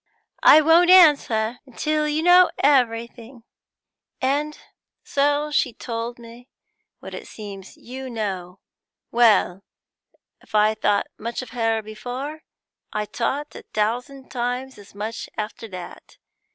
'I won't answer till you know everything.' And so she told me what it seems you know. Well, if I thought much of her before, I thought a thousand times as much after that!